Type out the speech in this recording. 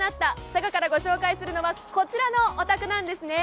佐賀からご紹介するのは、こちらのお宅なんですね。